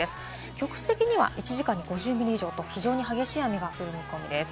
局地的には１時間に５０ミリ以上と非常に激しい雨が降る見込みです。